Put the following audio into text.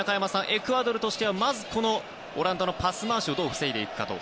エクアドルとしてはまず、オランダのパス回しをどう防いでいくかと。